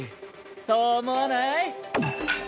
そう思わない？